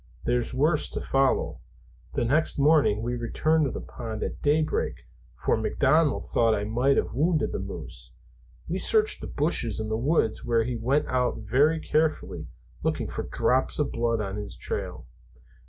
There's worse to follow. The next morning we returned to the pond at day break, for McDonald thought I might have wounded the moose. We searched the bushes and the woods where he went out very carefully, looking for drops of blood on his trail."